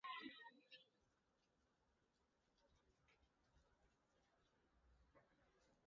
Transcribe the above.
Hala, Espainia eta Frantzia arteko abiadura handiko burdinbidea martxan dago.